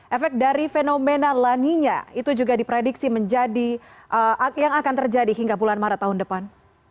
efek dari fenomena laninya itu juga diprediksi menjadi yang akan terjadi hingga bulan maret tahun depan